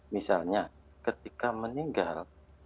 misalnya ketika meninggal